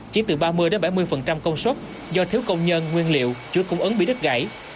chỉ từ ba mươi bảy mươi công suất do thiếu công nhân nguyên liệu chuỗi cung ứng bị đứt gãy